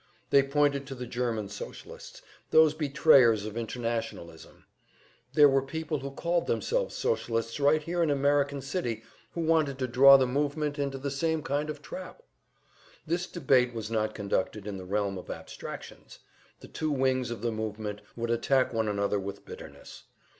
They pointed to the German Socialists, those betrayers of internationalism. There were people who called themselves Socialists right here in American City who wanted to draw the movement into the same kind of trap! This debate was not conducted in the realm of abstractions; the two wings of the movement would attack one another with bitterness.